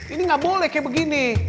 ini nggak boleh kayak begini